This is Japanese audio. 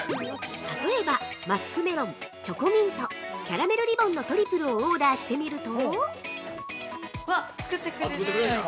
◆例えばマスクメロン、チョコミント、キャラメルリボンのトリプルをオーダーしてみると。